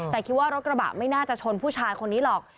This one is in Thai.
แต่คิดว่ารถกระบะไม่น่าจะชนผู้ชายคนนี้หรอก